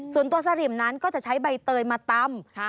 ส่วนตัวเสริมนั้นก็จะใช้ใบเตยมาตำ